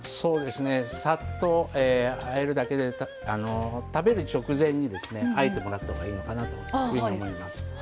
さっとあえるだけで食べる直前にあえてもらったほうがいいのかなというふうに思います。